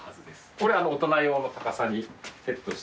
これ大人用の高さにセットしているんで。